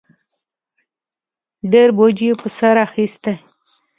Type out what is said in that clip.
ډېر بوج یې په سر اخیستی